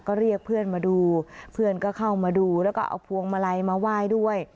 ก็เรียกเพื่อนมาดูเพื่อนก็เข้ามาดูแล้วก็เอาพวงมาลัยมาไหว้ด้วย